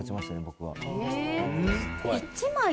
僕は。